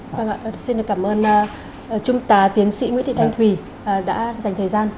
vâng ạ xin cảm ơn chúng ta tiến sĩ nguyễn thị thanh thùy đã dành thời gian